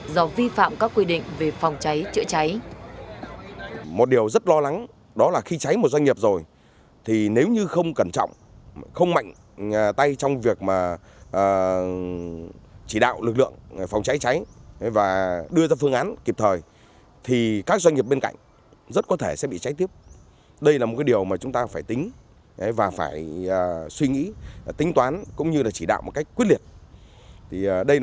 do vi phạm các quy định về phòng cháy chữa cháy